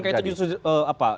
bukan kayak itu justru apa